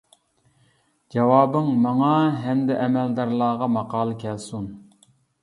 جاۋابىڭ ماڭا ھەمدە ئەمەلدارلارغا ماقال كەلسۇن.